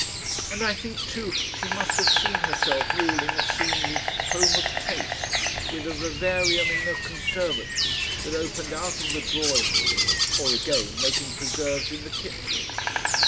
And I think, too, she must have seen herself ruling a seemly "home of taste," with a vivarium in the conservatory that opened out of the drawing room, or again, making preserves in the kitchen.